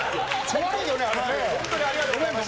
本当にありがとうございまし